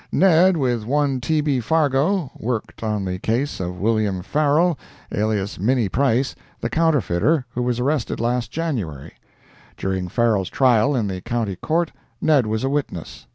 Ned, with one T. B. Fargo, [worked on the] case of Wm. Farrell, alias "Minnie Price," the counterfeiter, who was arrested last January. During Farrell's trial, in the County Court, Ned was a witness.